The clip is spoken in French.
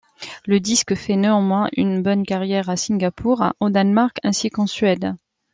Le disque fait néanmoins une bonne carrière à Singapour, au Danemark ainsi qu'en Suède.